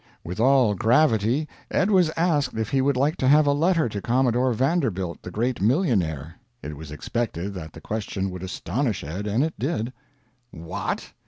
With all gravity Ed was asked if he would like to have a letter to Commodore Vanderbilt, the great millionaire. It was expected that the question would astonish Ed, and it did. "What?